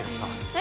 え？